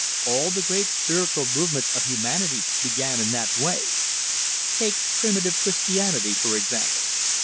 All the great spiritual movements of humanity began in that way; take primitive Christianity, for example.